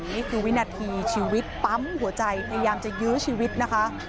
นี่คือวินาทีชีวิตปั๊มหัวใจพยายามจะยื้อชีวิตนะคะ